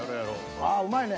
ああうまいね。